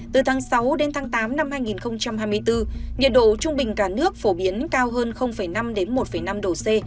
từ tháng sáu đến tháng tám năm hai nghìn hai mươi bốn nhiệt độ trung bình cả nước phổ biến cao hơn năm một năm độ c